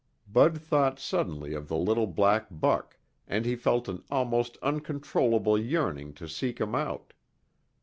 Bud thought suddenly of the little black buck, and he felt an almost uncontrollable yearning to seek him out.